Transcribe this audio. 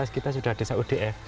kita sudah desa udf